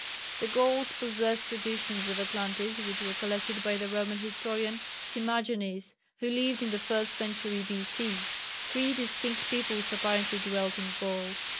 The Gauls possessed traditions of Atlantis which were collected by the Roman historian, Timagenes, who lived in the first century, B.C. Three distinct peoples apparently dwelt in Gaul.